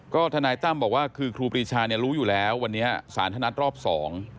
ก็ทนายตั้มบอกว่าคือครูปรีชาเนี่ยรู้อยู่แล้ววันนี้สารธนัดรอบสอง